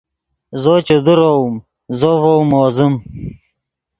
زو چے درؤم زو ڤؤ موزیم